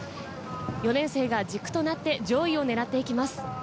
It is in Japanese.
４年生が軸となって上位を狙っていきます。